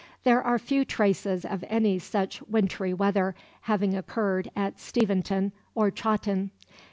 There are few traces of any such wintry weather having occurred at Steventon or Chawton.